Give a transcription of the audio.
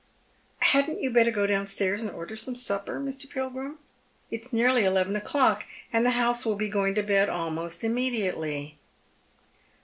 " Hadn't you better go downstairs and order some supper, Mr. Pilgiim ? It is nearly eleven o'clock, and the house will be going to bed almost immediately."